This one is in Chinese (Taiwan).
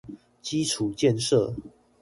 基礎建設